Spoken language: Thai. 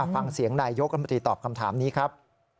ฟังเสียงนายยกรัฐมนตรีตอบคำถามนี้ครับ